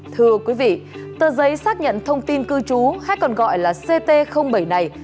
thưa quý vị tờ giấy xác nhận thông tin cư trú hay còn gọi là ct bảy này